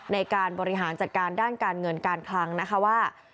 ในการบริหารจัดการด้านการเงินการคลังนะคะว่า